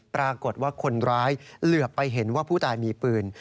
ปรากฏว่าคนร้ายเหลือไปเห็นว่าผู้ตายมีปืน